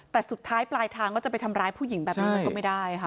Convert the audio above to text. แต่สุดท้ายปลายทางก็จะไปทำร้ายผู้หญิงแบบนี้มันก็ไม่ได้ค่ะ